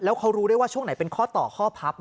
แล้วเขารู้ได้ว่าช่วงไหนเป็นข้อต่อข้อพับ